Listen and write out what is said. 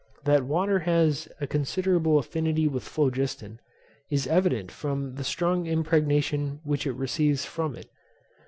That water has a considerable affinity with phlogiston, is evident from the strong impregnation which it receives from it.